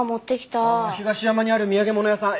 東山にある土産物屋さん！